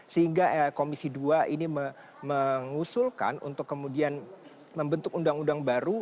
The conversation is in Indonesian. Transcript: sehingga komisi dua ini mengusulkan untuk kemudian membentuk undang undang baru